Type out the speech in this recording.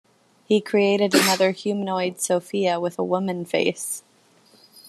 He created other humanoid Sophia with woman face.